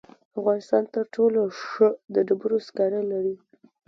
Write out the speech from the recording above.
افغانستان تر ټولو ښه د ډبرو سکاره لري.